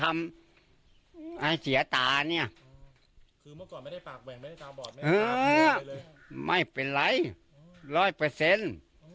ร้อยเปอร์เซ็นต์